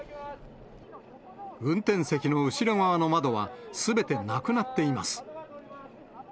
運転席の後ろ側の窓はすべてなくなっています。